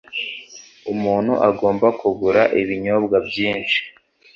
Umuntu agomba kugura ibinyobwa byinshi.